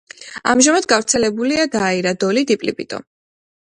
ამჟამად გავრცელებულია დაირა, დოლი, დიპლიპიტო.